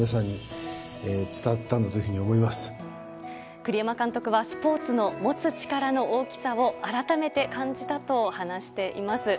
栗山監督はスポーツの持つ力の大きさを改めて感じたと話しています。